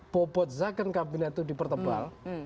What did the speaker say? bobot zakon kabinet itu dipertebal